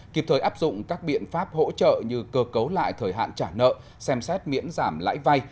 kịp thời áp dụng các biện pháp hỗ trợ như cơ cấu lại thời hạn trả nợ xem xét miễn giảm lãi vay